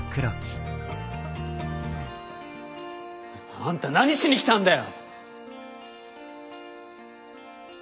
・あんた何しに来たんだよ！